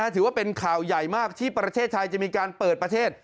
ถือว่าเป็นข่าวใหญ่มากที่ประเทศไทยจะมีการเปิดประเทศ